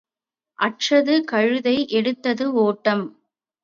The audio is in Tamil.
அற்றது கழுதை, எடுத்தது ஓட்டம்.